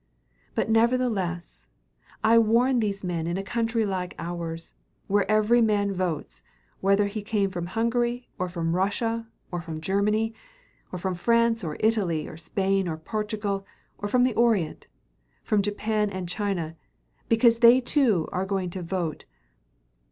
But nevertheless, I warn these men in a country like ours, where every man votes, whether he came from Hungary, or from Russia, or from Germany, or from France or Italy, or Spain or Portugal, or from the Orient, from Japan and China, because they too are going to vote!